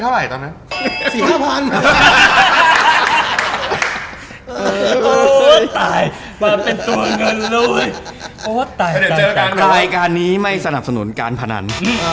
แต่เวลาการนี้ไม่สนับสนุนการผนัน